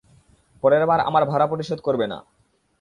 পরের বার আমার ভাড়া পরিশোধ করবে না।